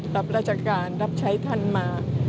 รับราชการรับใช้ท่านมา